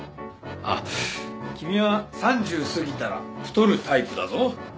あっ君は３０過ぎたら太るタイプだぞ